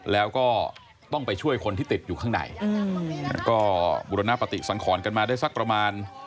แล้วก็ต้องไปช่วยคนที่ติดอยู่ข้างในก็บุรณปฏิสังขรกันมาได้สักประมาณ